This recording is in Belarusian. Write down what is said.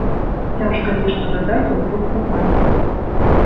Цяжка нешта дадаць да ўжо сказанага.